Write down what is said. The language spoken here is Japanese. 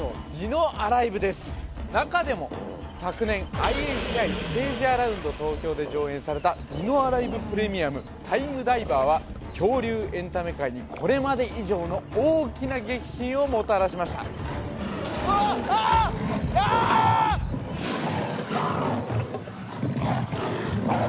中でも昨年ＩＨＩステージアラウンド東京で上演されたディノアライブ・プレミアムタイムダイバーは恐竜エンタメ界にこれまで以上の大きな激震をもたらしましたうわあっ！